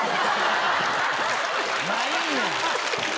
ないんや！